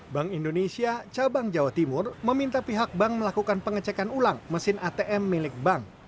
bank indonesia cabang jawa timur meminta pihak bank melakukan pengecekan ulang mesin atm milik bank